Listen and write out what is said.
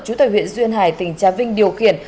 chủ tịch huyện duyên hải tỉnh trà vinh điều khiển